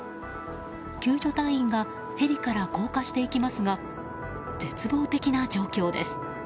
救助隊員がヘリから降下していきますが絶望的な状況です。